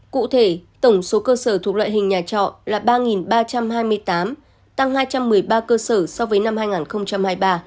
cụ thể tổng số cơ sở thuộc loại hình nhà trọ là ba ba trăm hai mươi tám tăng hai trăm một mươi ba cơ sở so với năm hai nghìn hai mươi ba